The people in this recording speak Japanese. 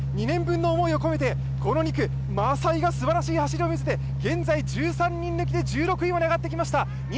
２年分の思いを込めて、この２区、マサイがすばらしい走りを見せて現在１３人抜きで１６位まで上がってきました。